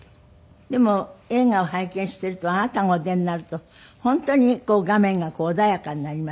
でも映画を拝見しているとあなたがお出になると本当に画面が穏やかになりますよね。